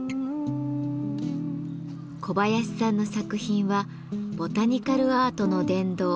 小林さんの作品はボタニカルアートの殿堂